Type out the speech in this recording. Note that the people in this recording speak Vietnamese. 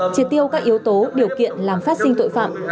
triệt tiêu các yếu tố điều kiện làm phát sinh tội phạm